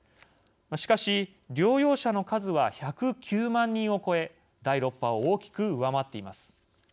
しかし療養者の数は１０９万人を超え第６波を大きく上回っています。